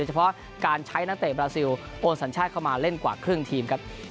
ต่อเพราะการใช้นันต์เตะเปลี่ยนโอนสัญชาติเข้ามาเล่นกว่าครึ่งทีม